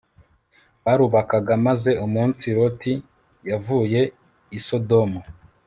barubakaga maze umunsi Loti yavuye i Sodomu